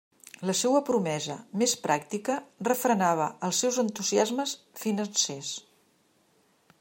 La seua promesa, més pràctica, refrenava els seus entusiasmes financers.